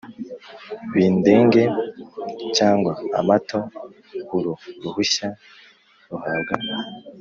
B indege cyangwa amato uru ruhushya ruhabwa